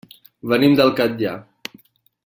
Venim del Catllar.